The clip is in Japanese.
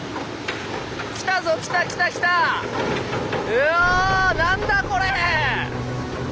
うわあ何だこれ⁉